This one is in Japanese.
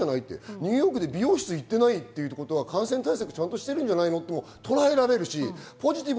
ニューヨークで美容室に行っていないということは感染対策をちゃんとしているともとらえられます。